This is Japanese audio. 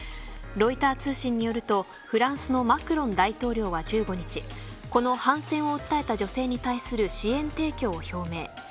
ロイター通信によるとフランスのマクロン大統領は１５日、この反戦を訴えた女性に対する支援提供を表明。